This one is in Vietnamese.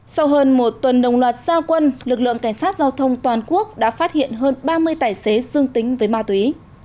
sau hơn một tuần đồng loạt gia quân lực lượng cảnh sát giao thông toàn quốc đã phát hiện hơn ba mươi tài xế dương tính với ma túy